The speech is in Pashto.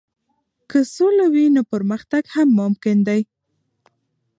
که سوله وي، نو پرمختګ هم ممکن دی.